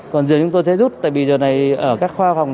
còn giường chúng tôi sẽ giúp tại vì giờ này ở các khoa phòng